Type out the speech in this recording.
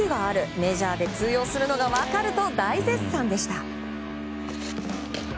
メジャーで通用するのが分かると大絶賛でした。